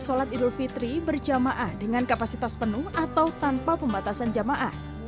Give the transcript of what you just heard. sholat idul fitri berjamaah dengan kapasitas penuh atau tanpa pembatasan jamaah